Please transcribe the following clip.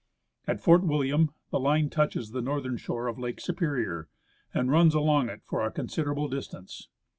At Fort William the line touches the northern shore of Lake Superior, and runs along it for a considerable distance.